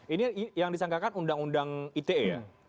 ini yang disangkakan undang undang ite ya